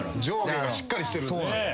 上下がしっかりしてる。